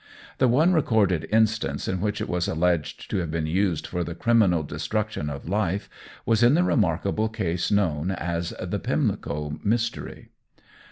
The one recorded instance in which it was alleged to have been used for the criminal destruction of life was in the remarkable case known as the "Pimlico Mystery."